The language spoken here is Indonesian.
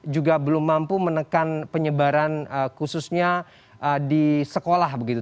juga belum mampu menekan penyebaran khususnya di sekolah begitu